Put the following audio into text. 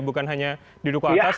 bukan hanya di duku atas